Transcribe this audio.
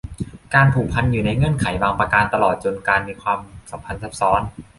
การผูกพันอยู่ในเงื่อนไขบางประการ ตลอดจนการมีความสัมพันธ์ซ้อน